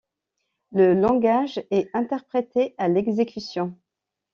Le langage est interprété à l'exécution.